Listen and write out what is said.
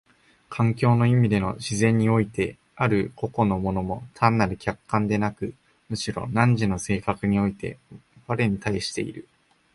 環境の意味での自然においてある個々の物も単なる客観でなく、むしろ汝の性格において我に対している。